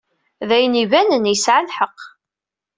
D ayen ibanen, yesɛa lḥeqq.